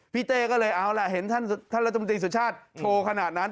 เต้ก็เลยเอาล่ะเห็นท่านรัฐมนตรีสุชาติโชว์ขนาดนั้น